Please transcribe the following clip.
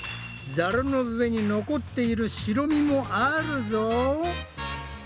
ザルの上に残っている白身もあるぞ。